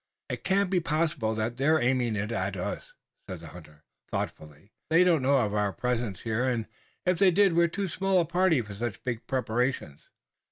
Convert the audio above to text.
"It can't be possible that they're aiming it at us," said the hunter, thoughtfully. "They don't know of our presence here, and if they did we've too small a party for such big preparations."